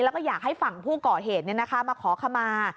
แล้วก็อยากให้ฝั่งผู้ก่อเหตุมาขอขมา